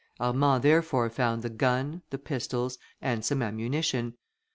Armand therefore found the gun, the pistols, and some ammunition.